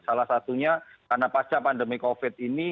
salah satunya karena pasca pandemi covid ini